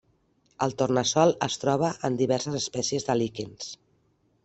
El tornassol es troba en diverses espècies de líquens.